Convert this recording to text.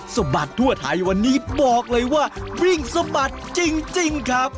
สะบัดทั่วไทยวันนี้บอกเลยว่าวิ่งสะบัดจริงครับ